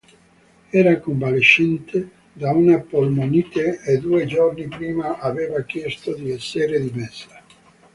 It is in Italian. Era convalescente da una polmonite e due giorni prima aveva chiesto di essere dimessa.